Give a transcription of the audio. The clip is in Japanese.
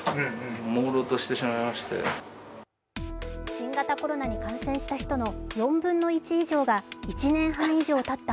新型コロナに感染した人の４分の１以上が１年半以上たった